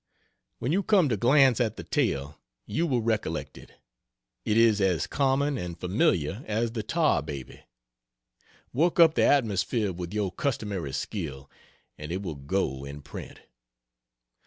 When you come to glance at the tale you will recollect it it is as common and familiar as the Tar Baby. Work up the atmosphere with your customary skill and it will "go" in print.